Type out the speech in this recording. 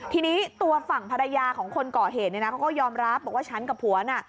ทีนี้ตัวฝั่งภรรยาของคนก่อเหตุเนี่ยนะเขาก็ยอมรับบอกว่าฉันกับผัวน่ะ